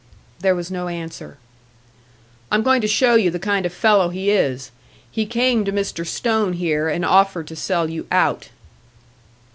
There was no answer. "I'm going to show you the kind of fellow he is. He came to Mr. Stone here and offered to sell you out."